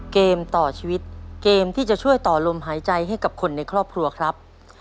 เกมต่อชีวิตเกมที่จะช่วยต่อลมหายใจให้กับคนในครอบครัวครับ